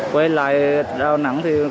quay lại đà nẵng có cảm giác rất vui và hữu hưi